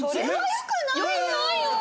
よくないよね！